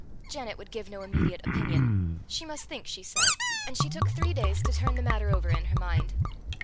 Janet would give no immediate opinion. She must think, she said; and she took three days to turn the matter over in her mind.